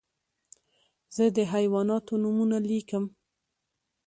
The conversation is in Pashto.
زه د حیواناتو نومونه لیکم.